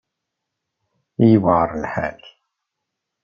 I yewεer lḥal!